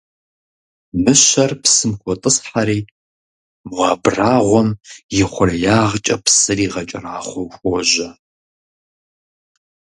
Мыщэр псым хотӀысхьэри, мо абрагъуэм и хъуреягъкӀэ псыр игъэкӀэрахъуэу хуожьэ.